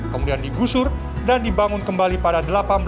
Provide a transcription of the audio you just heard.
kemudian digusur dan dibangun kembali pada seribu delapan ratus delapan puluh